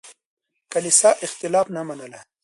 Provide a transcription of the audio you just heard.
کليسا اختلاف نه منله.